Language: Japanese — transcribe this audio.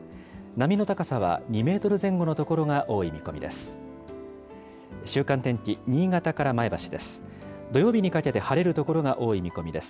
波の高さは２メートル前後の所が多い見込みです。